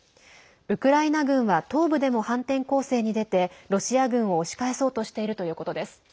ウクライナ軍は東部でも反転攻勢に出てロシア軍を押し返そうとしているということです。